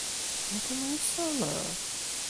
ike mi li seme?